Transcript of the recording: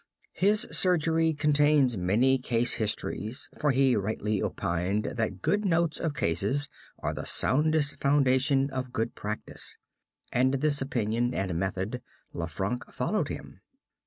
His Surgery contains many case histories, for he rightly opined that good notes of cases are the soundest foundation of good practice; and in this opinion and method Lanfranc followed him.